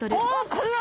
これは。